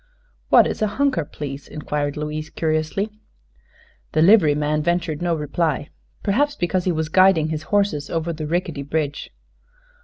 "What is a 'hunker,' please?" inquired Louise, curiously. The liveryman ventured no reply, perhaps because he was guiding his horses over the rickety bridge.